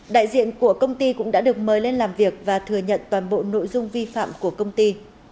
đại diện của công ty cũng đã được mời lên làm việc và thừa nhận toàn bộ nội dung vi phạm của công ty